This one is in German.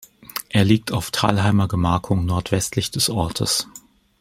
Er liegt auf Talheimer Gemarkung nordwestlich des Ortes.